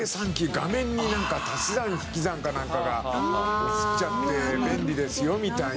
画面になんか足し算引き算かなんかが映っちゃって便利ですよみたいな。